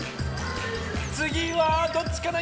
つぎはどっちかな？